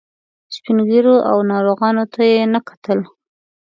سپین ږیرو او ناروغانو ته یې نه کتل.